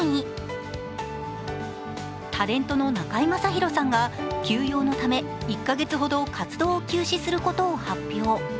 タレントの中居正広さんが休養のため１か月ほど活動を休止することを発表。